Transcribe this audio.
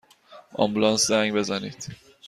آمبولانس زنگ بزنید!